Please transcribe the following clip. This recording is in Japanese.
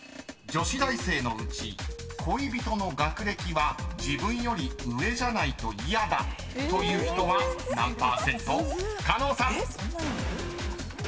［女子大生恋人の学歴は自分より上じゃないと嫌という人は何％か］